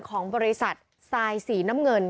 ของบริษัททรายสีน้ำเงิน